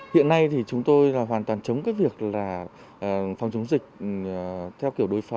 hiện nay thì chúng tôi là hoàn toàn chống cái việc là phòng chống dịch theo kiểu đối phó